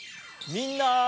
みんな！